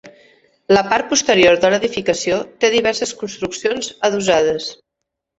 La part posterior de l’edificació té diverses construccions adossades.